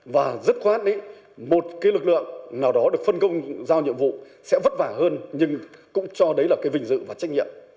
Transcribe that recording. và rất khoát một lực lượng nào đó được phân công giao nhiệm vụ sẽ vất vả hơn nhưng cũng cho đấy là vinh dự và trách nhiệm